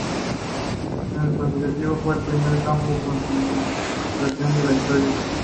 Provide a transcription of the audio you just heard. Este cautiverio fue el primer campo de concentración de la historia.